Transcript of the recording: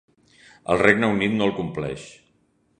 El Regne Unit no el compleix.